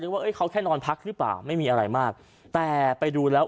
ว่าเอ้ยเขาแค่นอนพักหรือเปล่าไม่มีอะไรมากแต่ไปดูแล้ว